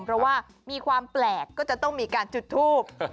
เพราะว่ามีความแปลกก็จะต้องมีการจุดทูบ